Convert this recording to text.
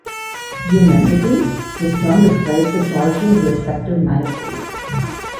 Geometrically, this term describes the torsion of the respective manifold.